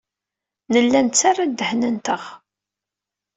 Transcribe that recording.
Nella nettarra ddehn-nteɣ.